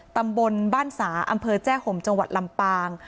ตำบลบ้านสาอำเภอแจ้ห่มจังหวัดลำปาง